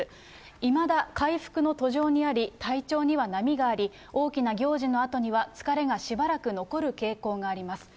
いまだ回復の途上にあり、体調には波があり、大きな行事のあとには疲れがしばらく残る傾向があります。